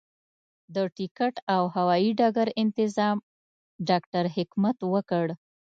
د ټکټ او هوايي ډګر انتظام ډاکټر حکمت وکړ.